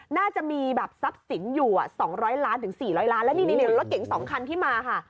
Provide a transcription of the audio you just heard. น่าจะมีทรัพย์สินอยู่๒๐๐๔๐๐ล้านและนี่ละเก่ง๒คันที่มา